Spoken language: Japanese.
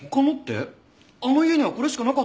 あの家にはこれしかなかったよ。